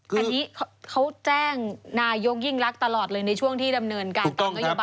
อันนี้เขาแจ้งนายกยิ่งรักตลอดเลยในช่วงที่ดำเนินการตามนโยบาย